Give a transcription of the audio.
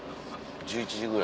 １１時ぐらい。